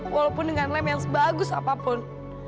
walaupun dengan lem yang sebagus apapun